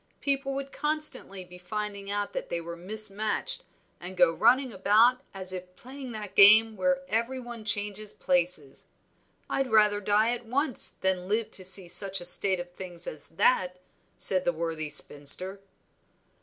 People would constantly be finding out that they were mismatched, and go running about as if playing that game where every one changes places. I'd rather die at once than live to see such a state of things as that," said the worthy spinster.